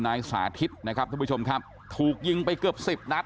นายสาธิตนะครับท่านผู้ชมครับถูกยิงไปเกือบสิบนัด